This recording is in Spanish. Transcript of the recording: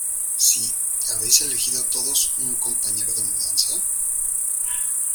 Sí. ¿ Habéis elegido todos un compañero de mudanza?